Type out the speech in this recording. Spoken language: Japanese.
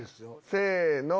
せの！